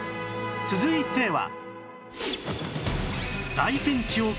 続いては